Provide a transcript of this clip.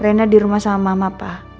rena dirumah sama mama pak